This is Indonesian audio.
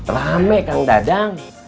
ramai kang dadang